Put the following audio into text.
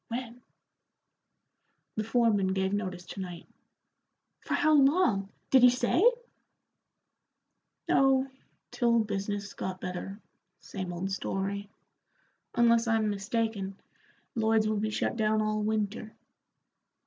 "When?" "The foreman gave notice to night." "For how long? Did he say?" "Oh, till business got better same old story. Unless I'm mistaken, Lloyd's will be shut down all winter."